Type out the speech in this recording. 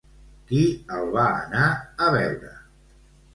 Qui el va anar a veure?